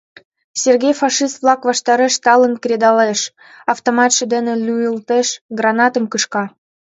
Сергей фашист-влак ваштареш талын кредалеш, автоматше дене лӱйылтеш, гранатым кышка.